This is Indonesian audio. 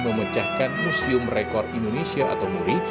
memecahkan museum rekor indonesia atau muri